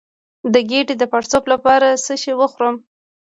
د ګیډې د پړسوب لپاره باید څه شی وخورم؟